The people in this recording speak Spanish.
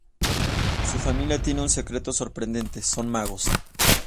Su familia tiene un secreto sorprendente: son magos.